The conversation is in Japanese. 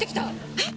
えっ？